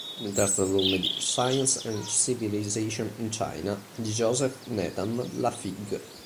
Nel terzo volume di "Science and Civilization in China" di Joseph Needham, la Fig.